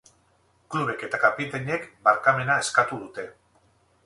Klubek eta kapitainek barkamena eskatu dute.